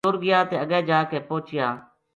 ٹُر گیا تے اگے جا کے پوہچیا۔